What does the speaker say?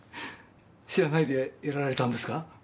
知らないでやられたんですか？